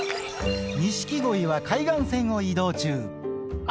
錦鯉は海岸線を移動中。